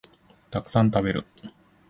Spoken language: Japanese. たくさん食べる